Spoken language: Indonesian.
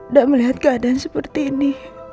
dan melihat keadaan seperti ini